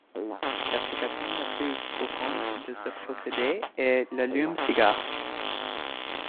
L'application la plus courante de ce procédé est l'allume-cigare.